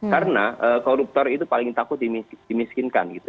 karena koruptor itu paling takut dimiskinkan